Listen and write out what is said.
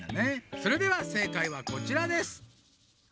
それではせいかいはこちらです。